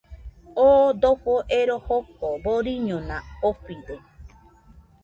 Oo dofo ero joko boriñona ofide.